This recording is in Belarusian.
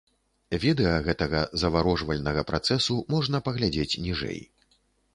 Відэа гэтага заварожвальнага працэсу можна паглядзець ніжэй.